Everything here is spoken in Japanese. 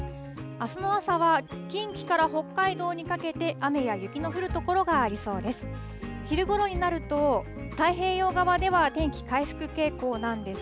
あすの朝は近畿から北海道にかけて、雨や雪の降る所がありそうです。